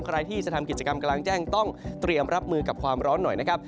ใครที่จะทำกิจกรรมกลางแจ้งต้องเตรียมรับมือกับความร้อนหน่อยนะครับ